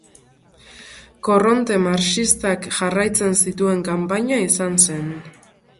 Korronte marxistak jarraitzen zituen kanpaina izan zen.